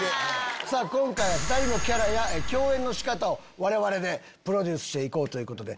今回は２人のキャラや共演の仕方を我々でプロデュースしていこうということで。